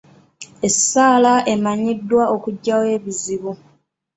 Essaala emanyiddwa okugyawo ebizubu.